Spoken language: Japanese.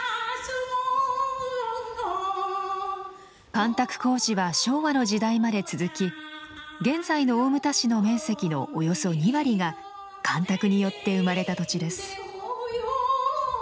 干拓工事は昭和の時代まで続き現在の大牟田市の面積のおよそ２割が干拓によって生まれた土地です。